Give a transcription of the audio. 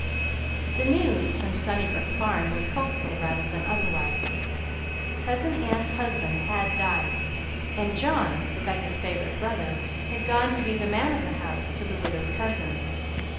The news from Sunnybrook Farm was hopeful rather than otherwise. Cousin Ann's husband had died, and John, Rebecca's favorite brother, had gone to be the man of the house to the widowed cousin.